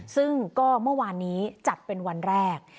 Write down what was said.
ซึ่งก็เมื่อวานนี้จัดเป็นวันแรก